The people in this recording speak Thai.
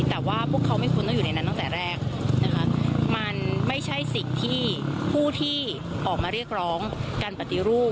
แต่ว่าพวกเขาไม่ควรต้องอยู่ในนั้นตั้งแต่แรกนะคะมันไม่ใช่สิ่งที่ผู้ที่ออกมาเรียกร้องการปฏิรูป